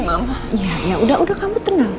sampai jumpa lagi